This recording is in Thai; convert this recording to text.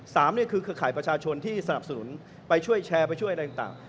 นี่คือเครือข่ายประชาชนที่สนับสนุนไปช่วยแชร์ไปช่วยอะไรต่าง